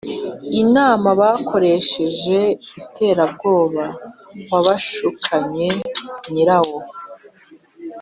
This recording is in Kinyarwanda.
inama bakoresheje iterabwoba wabashukanye nyirawo.